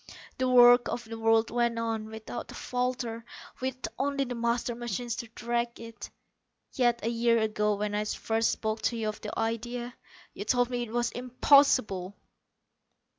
The work of the world went on, without a falter, with only the master machine to direct it. Yet a year ago, when I first spoke to you of the idea, you told me it was impossible!"